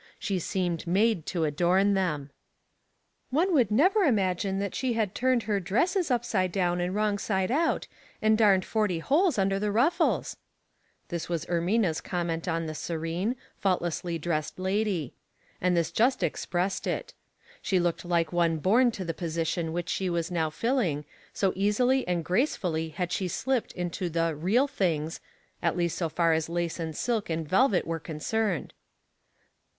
She seemed made to adorn them. " One would never imagine that she had Puzzling People. 197 turned her dresses upside down and wrong side out, and darned forty holes under the ruffles.'' This was Ermina's comment on the serene, faultlessly dressed lady ; and this just expressed it. She looked like one born to the position which she was now filling, so easily and grace fully had she slipped into the " real " things, at least so far as lace and silk and velvet were concerned.